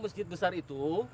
masjid besar itu